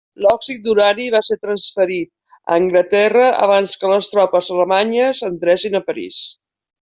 L'òxid d'urani va ser transferit a Anglaterra abans que les tropes alemanyes entressin a París.